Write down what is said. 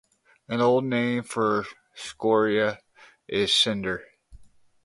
An old name for scoria is cinder.